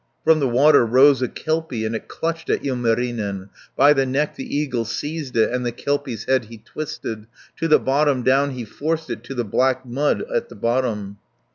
From the water rose a kelpie And it clutched at Ilmarinen, By the neck the eagle seized it, And the kelpie's head he twisted. 220 To the bottom down he forced it, To the black mud at the bottom.